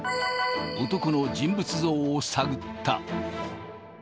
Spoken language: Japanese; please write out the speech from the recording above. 男の人物像を探った。